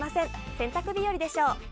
洗濯日和でしょう。